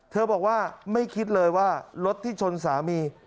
บอกว่าไม่คิดเลยว่ารถที่ชนสามี